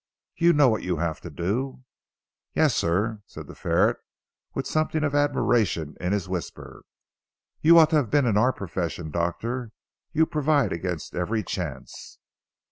You know what you have to do?" "Yes sir," said the ferret with something of admiration in his whisper, "you ought to have been in our profession doctor. You provide against every chance."